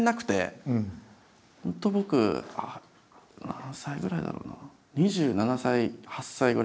本当僕何歳ぐらいだろうな？